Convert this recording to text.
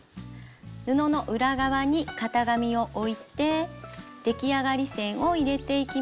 布の裏側に型紙を置いてできあがり線を入れていきます。